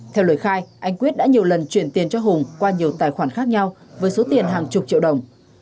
theo lời khai anh quyết đã nhiều lần chuyển tiền cho hùng qua nhiều tài khoản khác nhau với số tiền hàng chục triệu đồng